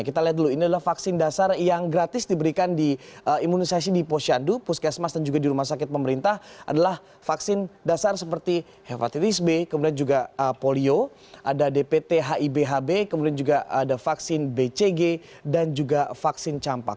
kita lihat dulu ini adalah vaksin dasar yang gratis diberikan di imunisasi di posyandu puskesmas dan juga di rumah sakit pemerintah adalah vaksin dasar seperti hepatitis b kemudian juga polio ada dpt hibhb kemudian juga ada vaksin bcg dan juga vaksin campak